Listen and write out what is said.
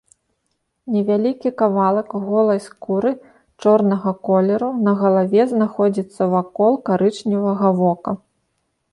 Невялікі кавалак голай скуры чорнага колеру на галаве знаходзіцца вакол карычневага вока.